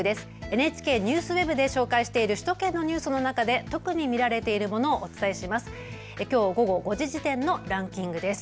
ＮＨＫＮＥＷＳＷＥＢで紹介している首都圏のニュースの中で特に見られているものをお伝えします。